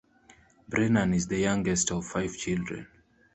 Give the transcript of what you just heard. Brennan is the youngest of five children.